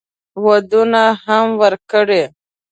ودونه هم وکړي.